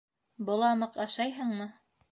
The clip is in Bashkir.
Боламыҡ ашайһыңмы?